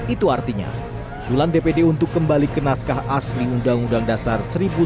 itu artinya usulan dpd untuk kembali ke naskah asli undang undang dasar seribu sembilan ratus empat puluh lima